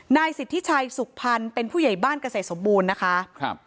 นายสิทธิชัยสุขพันธ์เป็นผู้ใหญ่บ้านเกษตรสมบูรณ์นะคะครับ